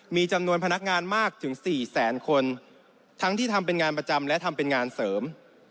มีจำนวนพนักงานมากถึง๔แสนคนทั้งที่ทำเป็นงานประจำและทำเป็นงานเสริม